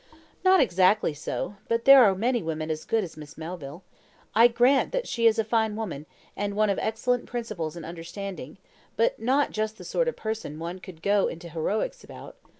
"Not exactly so; but there are many women as good as Miss Melville. I grant that she is a fine woman, and one of excellent principles and understanding; but not just the sort of person one could go into heroics about.